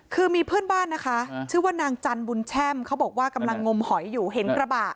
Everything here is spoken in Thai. คือมีเพื่อนบ้านนะคะชื่อว่านางจันบุญแช่มเขาบอกว่ากำลังงมหอยอยู่เห็นกระบะ